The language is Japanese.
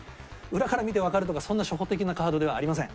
裏から見てわかるとかそんな初歩的なカードではありません。